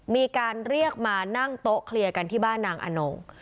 มีการเรียกมานั่งโต๊ะเคลียร์กันที่บ้านนางอนง